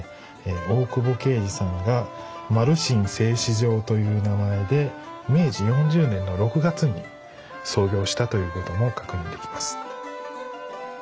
大久保敬次さんがという名前で明治４０年の６月に創業したということも確認できます。